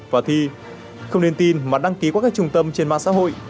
và thi không nên tin mà đăng ký qua các trung tâm trên mạng xã hội